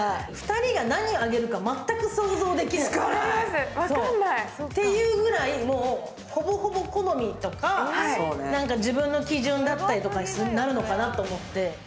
２人が何あげるか全く想像できないっていうくらいもう、ほぼほぼ好みとか、自分の基準だったりとかになるのかなと思って。